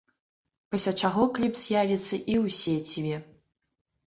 Пасля чаго кліп з'явіцца і ў сеціве.